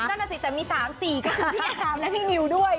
นั่นอาจจะมี๓๔ก็คือพี่อาหารและพี่นิวด้วย